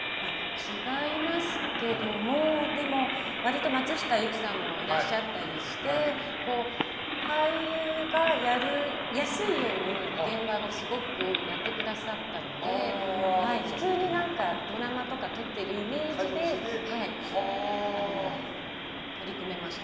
違いますけどもでも割と松下由樹さんもいらっしゃったりして俳優がやりやすいように、現場をすごくやってくださったので普通にドラマとか撮ってるイメージで取り組めました。